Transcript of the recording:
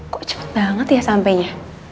kok cepet banget ya sampainya